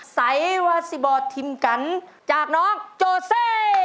ไซวาซิบอททิมกันจากน้องโจเซ่